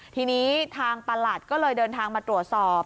ทีนี้ทางประหลัดก็เลยเดินทางมาตรวจสอบ